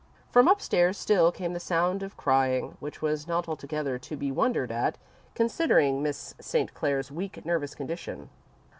From upstairs still came the sound of crying, which was not altogether to be wondered at, considering Miss St. Clair's weak, nervous condition.